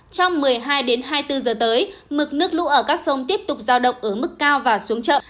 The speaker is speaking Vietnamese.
trong một mươi hai hai mươi bốn giờ tới mực nước lũ ở các sông tiếp tục giao động ở mức cao và xuống chậm